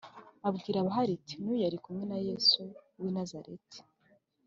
abwira abahari ati “N’uyu yari kumwe na Yesu w’i Nazareti.”